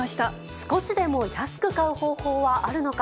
少しでも安く買う方法はあるのか。